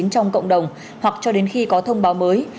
trong cộng đồng hoặc cho đến khi có thông báo mới